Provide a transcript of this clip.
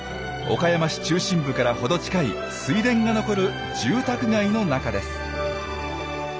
岡山市中心部から程近い水田が残る住宅街の中です。